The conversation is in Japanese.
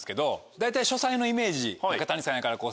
大体書斎のイメージ中谷さんやから。